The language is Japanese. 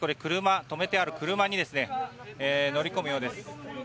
止めてある車に乗り込むようです。